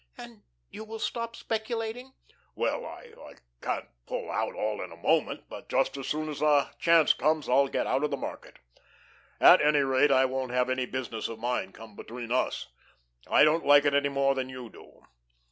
"And you will stop speculating?" "Well, I can't pull out all in a moment, but just as soon as a chance comes I'll get out of the market. At any rate, I won't have any business of mine come between us. I don't like it any more than you do.